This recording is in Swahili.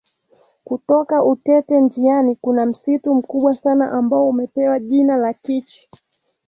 Kutoka Utete njiani kuna msitu mkubwa sana ambao umepewa jina la Kichi